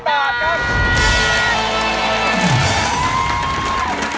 คุณรันมารับแล้วค่ะ๖๐๐๐บาท